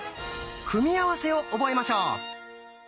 組み合わせを覚えましょう。